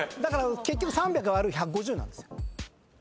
結局３００÷１５０なんですよ。